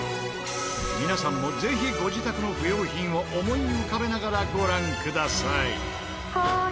皆さんもぜひご自宅の不要品を思い浮かべながらご覧ください。